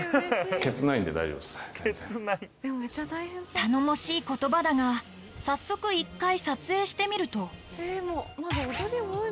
頼もしい言葉だが早速１回撮影してみると